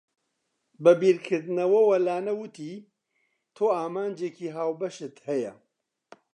بە بیرکردنەوەوە لانە وتی، تۆ ئامانجێکی هاوبەشت هەیە.